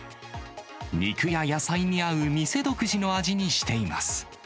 肉や野菜に合う店独自の味にしています。